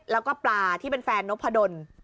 แล้วก็ปลาที่เป็นแฟนนพดล